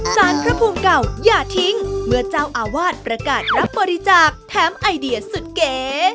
สารพระภูมิเก่าอย่าทิ้งเมื่อเจ้าอาวาสประกาศรับบริจาคแถมไอเดียสุดเก๋